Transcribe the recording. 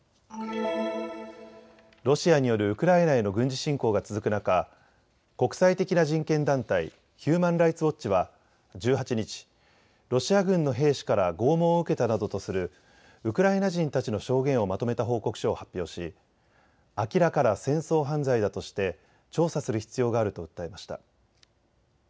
ロシアによるウクライナへの軍事侵攻が続く中、国際的な人権団体ヒューマン・ライツ・ウォッチは１８日ロシア軍の兵士から拷問を受けたなどとするウクライナ人たちの証言をまとめた報告書を発表し、明らかな戦争犯罪だとして調査する必要があると訴えました。